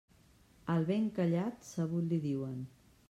Al ben callat, sabut li diuen.